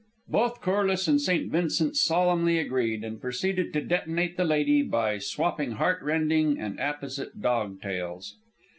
Both Corliss and St. Vincent solemnly agreed, and proceeded to detonate the lady by swapping heart rending and apposite dog tales.